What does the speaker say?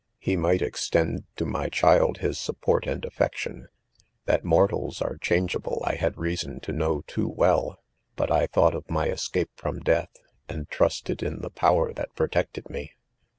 . He '■ migh^ extend to my . child his support and affection, j That mortals are ; changeable, I h^d^&^^^Q:^n^^ti^^WPU y but I thought of my escape frbm Jdeath,; and". trusted in the power that. protected me.